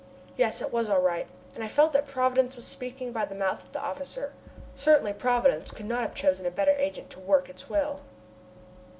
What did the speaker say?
Yes, it was all right, and I felt that Providence was speaking by the mouth of the officer. Certainly Providence could not have chosen a better agent to work its will.